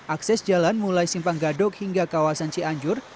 akses jalan mulai simpang gadok hingga kawasan cianjur